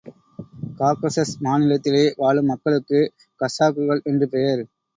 Caucasus மாநிலத்திலே வாழும் மக்களுக்கு கஸ்ஸாக்குகள் என்று பெயர்.